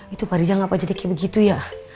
itu pak rija gak apa apa jadi kayak begitu ya